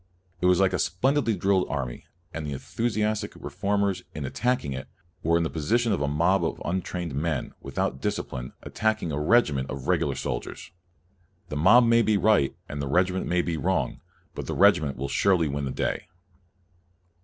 It was like a splendidly drilled army, and the enthu siastic reformers, in attacking it, were in the position of a mob of untrained men, without discipline, attacking a regiment of regular soldiers, The mob may be io 4 CALVIN right and the regiment may be wrong, but the regiment will surely win the day.